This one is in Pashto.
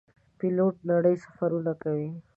پیلوټ نړیوال سفرونه کوي.